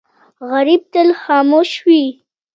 غریب تل خاموش وي